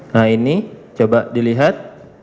nah ini coba dilihat